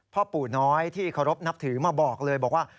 พ่อปู่น้อยที่เคารพนับถือมาบอกเลยบอกว่า